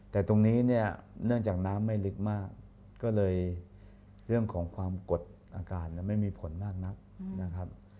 แต่ตรงนี้เนี่ยเนื่องจากน้ำไม่ลึกมากก็เลยเรื่องของความกดอากาศไม่มีผลมากนักนะครับ